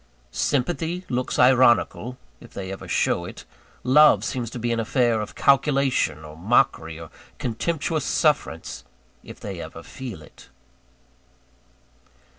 Sympathy looks ironical, if they ever show it: love seems to be an affair of calculation, or mockery, or contemptuous sufferance, if they ever feel it.